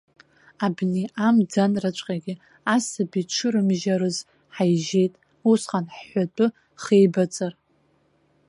Абни амӡанраҵәҟьагьы асаби дшырымжьарыз ҳаижьеит, усҟан ҳҳәатәы хеибаҵар.